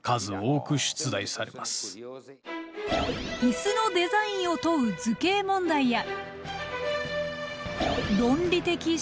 イスのデザインを問う図形問題や。